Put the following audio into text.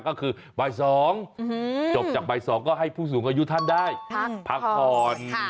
ก็คือบ่าย๒จบจากบ่าย๒ก็ให้ผู้สูงอายุท่านได้พักผ่อน